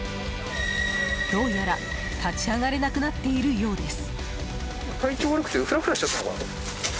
どうやら、立ち上がれなくなっているようです。